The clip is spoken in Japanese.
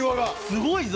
すごいぞ！